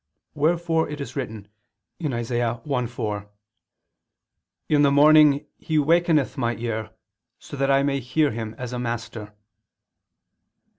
Wherefore it is written (Isa. 1:4): "In the morning He wakeneth my ear, so that I may hear Him as a master."